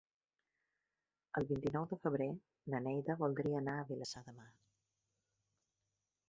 El vint-i-nou de febrer na Neida voldria anar a Vilassar de Mar.